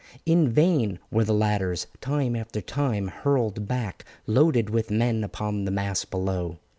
In vain were the ladders, time after time, hurled back loaded with men upon the mass below.